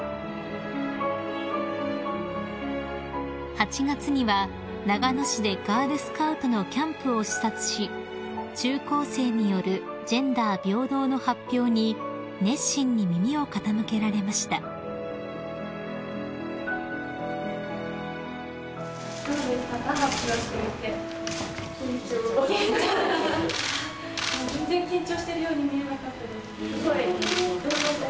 ［８月には長野市でガールスカウトのキャンプを視察し中高生によるジェンダー平等の発表に熱心に耳を傾けられました］緊張。